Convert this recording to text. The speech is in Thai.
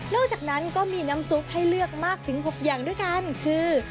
จากนั้นก็มีน้ำซุปให้เลือกมากถึง๖อย่างด้วยกันคือ